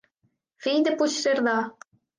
Fill de Puigcerdà!